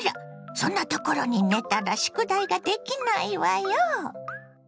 そんなところに寝たら宿題ができないわよ。